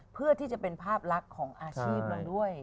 เพื่อที่จะเป็นภาพลักษณ์ของอาชีพเราด้วย